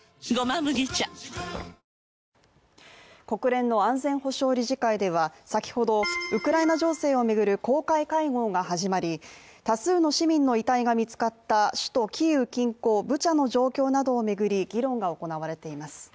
国連の安全保障理事会では先ほどウクライナ情勢を巡る公開会合が始まり多数の市民の遺体が見つかった首都キーウ近郊ブチャの状況などを巡り議論が行われています。